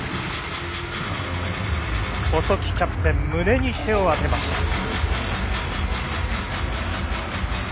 細木キャプテン胸に手を当てました。